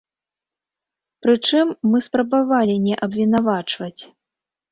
Прычым, мы спрабавалі не абвінавачваць.